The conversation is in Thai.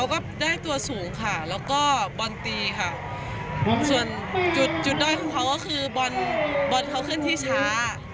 ก็ได้ตัวสูงค่ะแล้วก็บอลตีค่ะส่วนจุดจุดด้อยของเขาก็คือบอลบอลเขาขึ้นที่ช้า